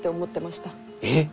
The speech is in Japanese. えっ！？